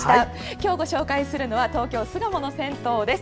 今日ご紹介するのは東京・巣鴨にある銭湯です。